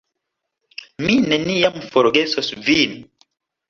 Mi neniam forgesos vin!